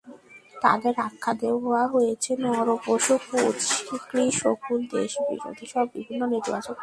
তাদের আখ্যা দেওয়া হয়েছে নরপশু, কুচক্রী, শকুন, দেশবিরোধীসহ বিভিন্ন নেতিবাচক পরিচয়ে।